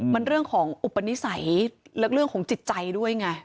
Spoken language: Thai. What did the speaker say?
มันเรื่องของอุปนิสัยและเรื่องของจิตใจด้วยไง